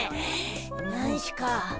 何しゅか？